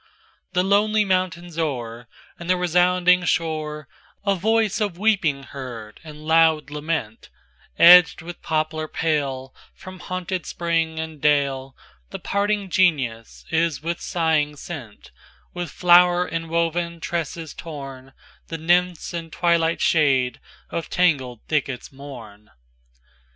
XXThe lonely mountains o'er, And the resounding shore,A voice of weeping heard and loud lament; Edgèd with poplar pale, From haunted spring, and daleThe parting Genius is with sighing sent; With flower inwoven tresses tornThe Nymphs in twilight shade of tangled thickets mourn.